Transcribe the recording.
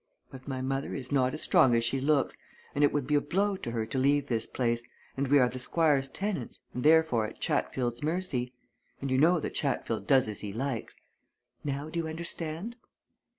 "But my mother is not as strong as she looks and it would be a blow to her to leave this place and we are the Squire's tenants, and therefore at Chatfield's mercy. And you know that Chatfield does as he likes! Now do you understand?"